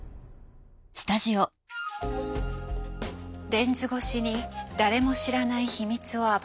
レンズ越しに誰も知らない秘密を暴く。